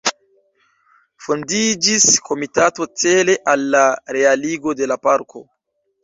Fondiĝis komitato cele al la realigo de la parko.